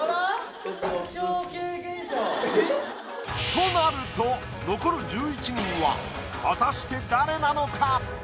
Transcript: となると残る１１人は果たして誰なのか？